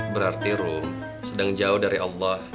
berarti rum sedang jauh dari allah